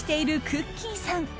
くっきー！さん。